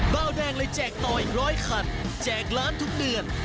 เบาแดงเลยแจกต่ออีกร้อยคันแจกล้านทุกเดือน